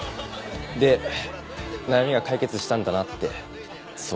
で悩みが解決したんだなってそう。